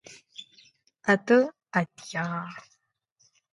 اته اتیا